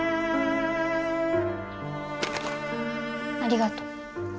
ありがとう